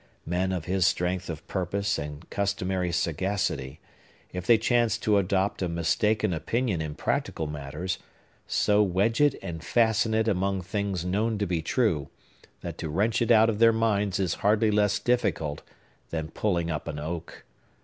Men of his strength of purpose and customary sagacity, if they chance to adopt a mistaken opinion in practical matters, so wedge it and fasten it among things known to be true, that to wrench it out of their minds is hardly less difficult than pulling up an oak.